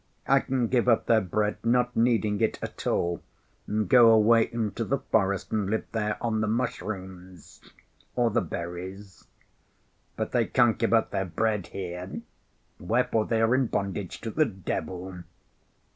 I can give up their bread, not needing it at all, and go away into the forest and live there on the mushrooms or the berries, but they can't give up their bread here, wherefore they are in bondage to the devil.